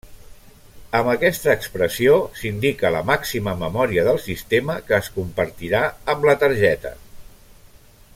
Amb aquesta expressió s'indica la màxima memòria del sistema que es compartirà amb la targeta.